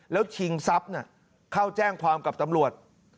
แล้วชิงทรัพย์เข้าแจ้งความกับตำรวจ